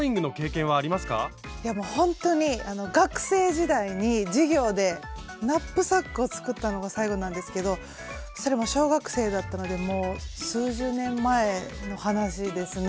いやもうほんとに学生時代に授業でナップサックを作ったのが最後なんですけどそれも小学生だったのでもう数十年前の話ですね。